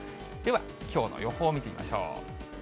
では、きょうの予報見てみましょう。